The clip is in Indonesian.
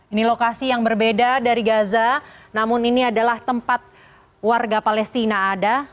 ini lokasi yang berbeda dari gaza namun ini adalah tempat warga palestina ada